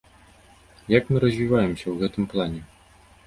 Як мы развіваемся ў гэтым плане?